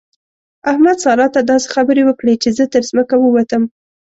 احمد؛ سارا ته داسې خبرې وکړې چې زه تر ځمکه ووتم.